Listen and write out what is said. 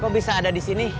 kok bisa ada di sini